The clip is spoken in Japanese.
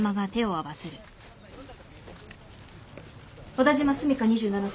小田島澄香２７歳。